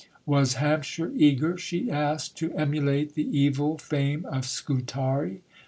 Was Hampshire eager, she asked, to emulate the evil fame of Scutari?